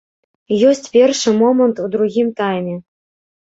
Ёсць першы момант у другім тайме.